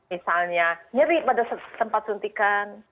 misalnya nyeri pada tempat suntikan